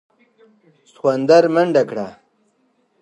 سخوندر منډه کړه.